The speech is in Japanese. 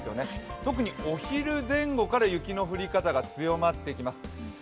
特にお昼前後から雪の降り方が強まってきます。